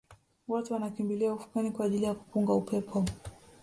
Watu wanakimbilia ufukweni kwa ajili ya kupunga upepo